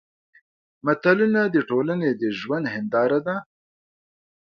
متلونه د ټولنې د ژوند هېنداره ده